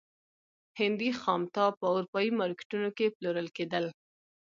هندي خامتا په اروپايي مارکېټونو کې پلورل کېدل.